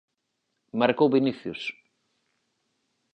Marcou Vinicius.